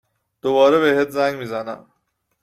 .دوباره بهت زنگ می زنم